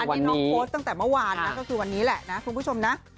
อันนี้น้องโพสต์ตั้งแต่เมื่อวานนะก็คือวันนี้แหละนะคุณผู้ชมนะ